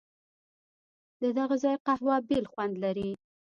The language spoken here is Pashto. ددغه ځای قهوه بېل خوند لري.